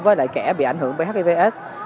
với lại kẻ bị ảnh hưởng bởi hivs